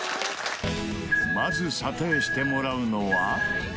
まず査定してもらうのは。